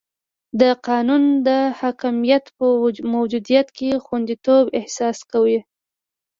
د قانون د حاکمیت په موجودیت کې خونديتوب احساس کاوه.